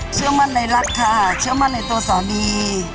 เชื่อมั่นในรักค่ะเชื่อมั่นในตัวสามี